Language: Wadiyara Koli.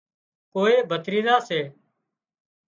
ڪوئي ڀتريزا سي